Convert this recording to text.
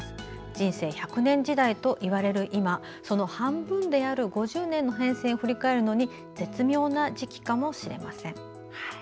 人生１００年時代といわれる今その半分である５０年の変遷を振り返るのに絶妙な時期かもしれません。